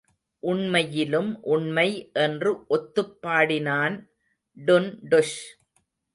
உண்மையிலும் உண்மை என்று ஒத்துப் பாடினான் டுன்டுஷ்.